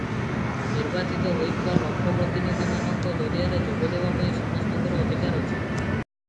ନିର୍ବାଚିତ ହୋଇଥିବା ଲୋକପ୍ରତିନିଧିମାନଙ୍କ ଜରିଆରେ ଯୋଗ ଦେବା ପାଇଁ ସମସ୍ତଙ୍କର ଅଧିକାର ଅଛି ।